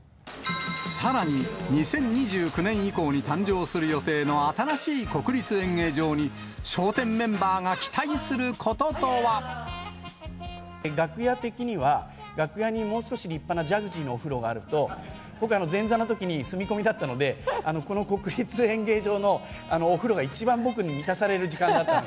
さらに２０２９年以降に誕生する予定の新しい国立演芸場に、楽屋的には、楽屋にもう少し立派なジャグジーのお風呂があると、僕、前座のときに住み込みだったので、この国立演芸場のお風呂が一番僕に満たされる時間だった。